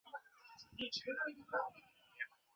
强化企业建立友善职场环境